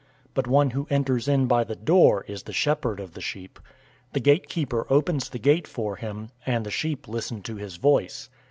010:002 But one who enters in by the door is the shepherd of the sheep. 010:003 The gatekeeper opens the gate for him, and the sheep listen to his voice.